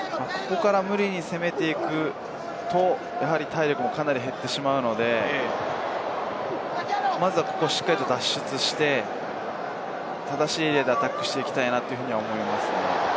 無理に攻めていくと体力もかなり減ってしまうので、しっかりと脱出して正しいエリアでアタックしていきたいと思いますね。